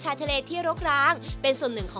สวัสดีครับสวัสดีครับสวัสดีครับสวัสดีครับ